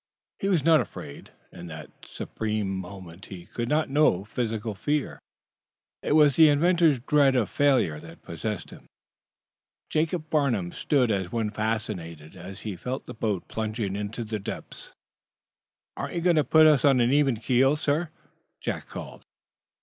He was not afraid. In that supreme moment he could not know physical fear. It was the inventor's dread of failure that possessed him. Jacob Farnum stood as one fascinated as he felt the boat plunging into the depths. "Aren't you going to put us on an even keel, sir?" Jack called.